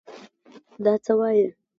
دا څه وايې!